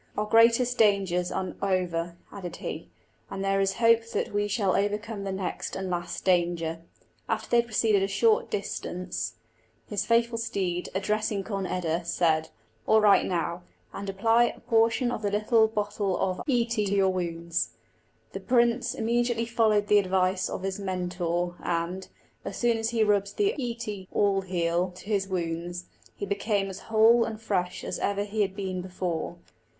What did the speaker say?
"Our greatest dangers are over," added he, "and there is hope that we shall overcome the next and last danger." After they had proceeded a short distance, his faithful steed, addressing Conn eda, said, "Alight, now, and apply a portion of the little bottle of íce to your wounds." The prince immediately followed the advice of his monitor, and, as soon as he rubbed the íce (all heal) to his wounds, he became as whole and fresh as ever he had been before.